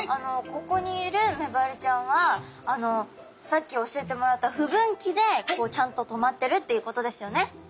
ここにいるメバルちゃんはさっき教えてもらった不分岐でちゃんと止まってるっていうことですよね。